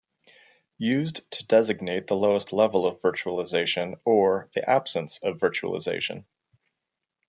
Used to designate the lowest level of virtualization or the absence of virtualization.